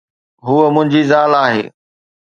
ھوءَ منھنجي زال آھي.